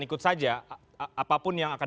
ikut saja apapun yang akan